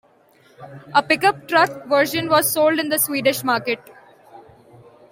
A pickup truck version was sold in the Swedish market.